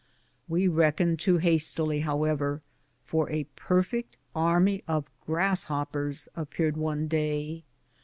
We reckoned too hastily, however, for a perfect army of grasshoppers appeared one day.